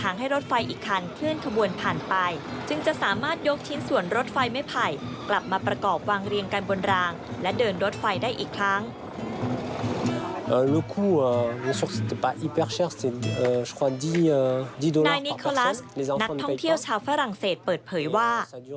นายนิโคลัสนักท่องเที่ยวชาวฝรั่งเศสเปิดเผยว่า